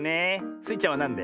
スイちゃんはなんで？